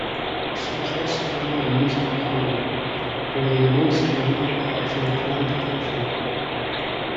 Southwesterly winds are common, bringing moist and mild air from the Atlantic Ocean.